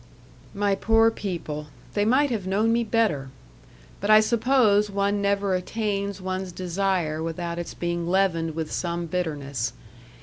"My poor people they might have known me better! But I suppose one never attains one's desire without its being leavened with some bitterness.